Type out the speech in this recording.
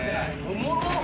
おもろっ。